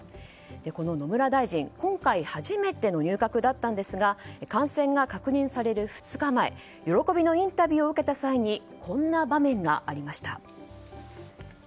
この野村大臣、今回初めての入閣だったんですが感染が確認される２日前喜びのインタビューを受けた際にこんな場面がありました。